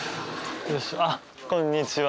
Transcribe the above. あっこんにちは。